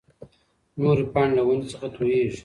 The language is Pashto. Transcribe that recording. نورې پاڼې له ونې څخه تويېږي.